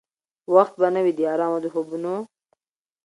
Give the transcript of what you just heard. وخت به نه وي د آرام او د خوبونو؟